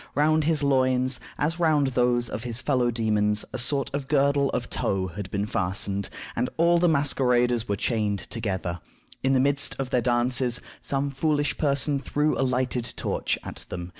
Round his loins, as round those of his fellow demons, a sort of girdle of tow had been fastened, and all the masqueraders were chained together. In the midst of their dances, some foolish person threw a lighted torch at them.